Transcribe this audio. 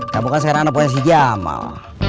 kamu kan sekarang anak pokoknya si jamal